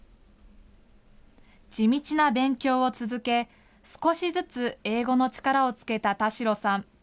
地道な勉強を続け、少しずつ英語の力をつけた田代さん。